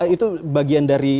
itu bagian dari